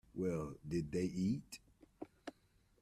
Well, did they eat.